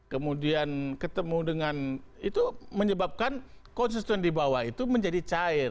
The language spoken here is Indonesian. kemudian ketemu dengan itu menyebabkan konsisten di bawah itu menjadi cair